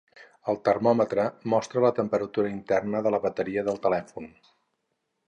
El termòmetre mostra la temperatura interna de la bateria del telèfon.